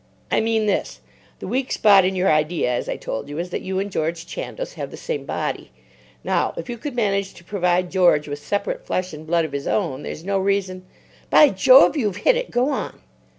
"I mean this. The weak spot in your idea, as I told you, is that you and George Chandos have the same body. Now, if you could manage to provide George with separate flesh and blood of his own, there's no reason——" "By Jove! you've hit it. Go on."